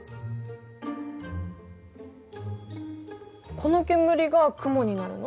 この煙が雲になるの？